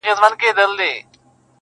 مُلا او ډاکټر دواړو دي دامونه ورته ایښي٫